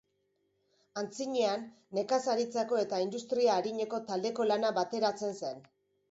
Antzinean, nekazaritzako eta industria arineko taldeko lana bateratzen zen.